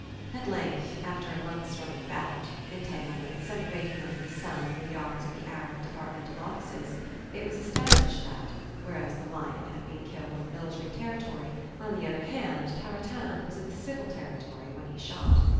At length, after a month's running about, entanglements, and waiting under the sun in the yards of Arab Departmental offices, it was established that, whereas the lion had been killed on the military territory, on the other hand Tartarin was in the civil territory when he shot.